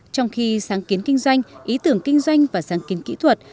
trong khi sáng kiến kinh doanh ý tưởng kinh doanh và sáng kiến kỹ thuật